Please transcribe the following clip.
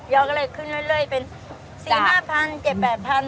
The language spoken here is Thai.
ยกเลยขึ้นเรื่อยเป็น๔๐๐๐๕๐๐๐